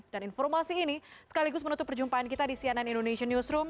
dan informasi ini sekaligus menutup perjumpaan kita di cnn indonesian newsroom